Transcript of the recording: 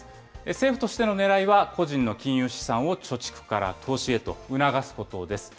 政府としてのねらいは、個人の金融資産を貯蓄から投資へと促すことです。